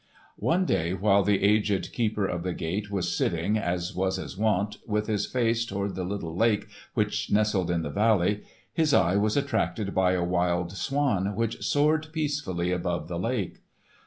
One day while the aged keeper of the gate was sitting, as was his wont, with his face toward the little lake which nestled in the valley, his eye was attracted by a wild swan which soared peacefully above the lake.